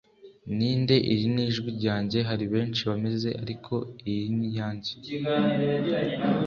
Ninde iri nijwi ryanjye hari benshi bameze ariko iyi ni iyanjye"